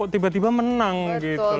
tapi menang gitu loh